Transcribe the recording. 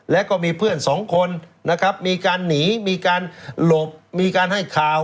แล้วก็มีเพื่อนสองคนนะครับมีการหนีมีการหลบมีการให้ข่าว